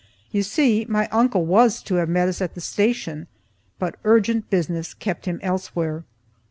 You see my uncle was to have met us at the station, but urgent business kept him elsewhere.